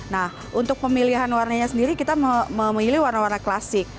nah untuk pemilihan warnanya sendiri kita memilih warna warna klasik